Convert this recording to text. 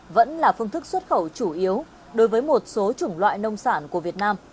vẫn là phương thức xuất khẩu chủ yếu đối với một số chủng loại nông sản của việt nam